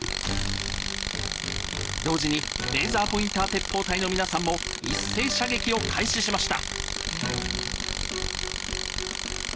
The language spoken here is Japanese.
同時にレーザーポインター鉄砲隊の皆さんも一斉射撃を開始しました。